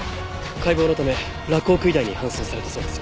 解剖のため洛北医大に搬送されたそうです。